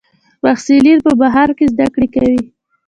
محصلین په بهر کې زده کړې کوي.